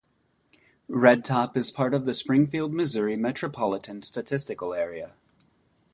Red Top is part of the Springfield, Missouri Metropolitan Statistical Area.